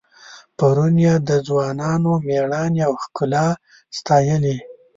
پرون یې د ځوانانو میړانې او ښکلا ستایلې.